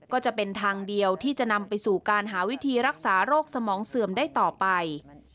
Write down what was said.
ก็จะเป็นทางเดียวที่จะนำไปสู่การหาวิธีรักษาโรคสมองเสื่อมได้ต่อไป